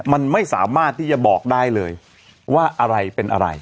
มันไม่สามารถที่จะบอกได้เลยว่าอะไรเป็นอะไร